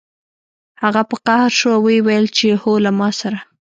هغه په قهر شو او ویې ویل هو له ما سره